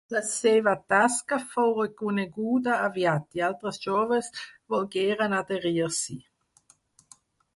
La seva tasca fou reconeguda aviat, i altres joves volgueren adherir-s'hi.